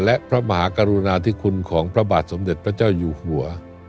และพระมหากรุณาธิคุณของพระบาทสมเด็จพระเจ้าอยู่หัว